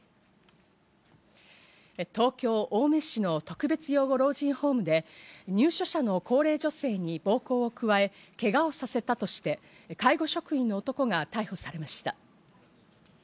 東京・青梅市の特別養護老人ホームで入所者の高齢女性に暴行を加え、けがをさせたとして介護職員の男が逮捕されました。